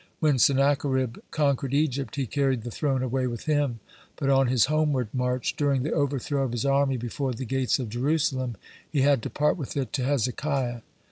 When Sennacherib conquered Egypt, he carried the throne away with him, but, on his homeward march, during the overthrow of his army before the gates of Jerusalem, he had to part with it to Hezekiah.